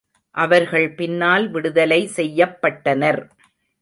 அவர்கள் பின்னால் விடுதலை செய்யப்பட்டனர்.